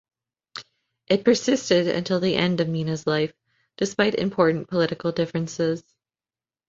It persisted until the end of Mena's life despite important political differences.